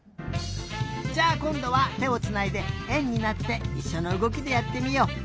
じゃあこんどはてをつないでえんになっていっしょのうごきでやってみよう。